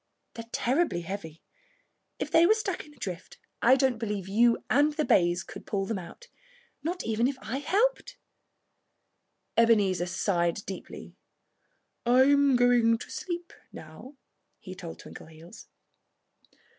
They're terribly heavy. If they were stuck in a drift I don't believe you and the bays could pull them out not even if I helped you." Ebenezer sighed deeply. "I'm going to sleep now," he told Twinkleheels.